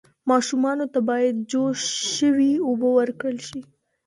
ماشومانو ته باید جوش شوې اوبه ورکړل شي.